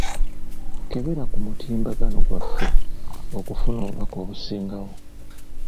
Kebera ku mutimbagano gwaffe okufuna obubaka obusingawo.